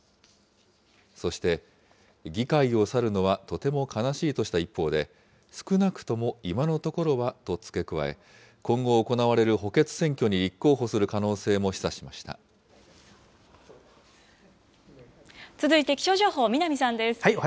そして議会を去るのはとても悲しいとした一方で、少なくとも今のところはと付け加え、今後行われる補欠選挙に立候続いて気象情報、南さんです。